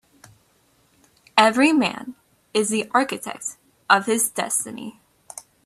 Every man is the architect of his destiny.